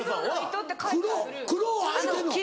黒はいてんの？